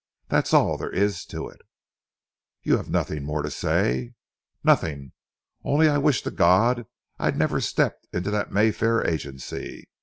That's all there is to it." "You have nothing more to say?" "Nothing! Only I wish to God I'd never stepped into that Mayfair agency.